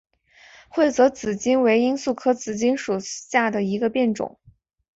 会泽紫堇为罂粟科紫堇属下的一个变种。